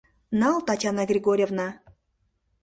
Нал, Татьяна Григорьевна!